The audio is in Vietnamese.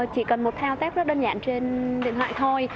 chỉ cần một thao tep rất đơn giản trên điện thoại thôi